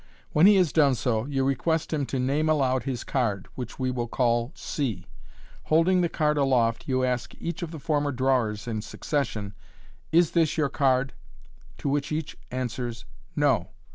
When he has done so, you request him to name aloud his card, which we will call c. Holding the card aloft, you ask each of the former drawers in succession, " Is this your car*"1 ?" To which each answers, " No."